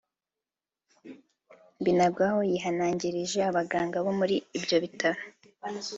Binagwaho yihanangirije abaganga bo muri ibyo bitaro